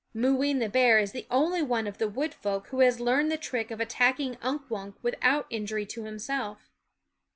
Mooween the bear is the only one of the wood folk who has learned the trick of attack ing Unk Wunk without injury to himself.